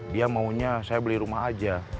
dia maunya saya beli rumah aja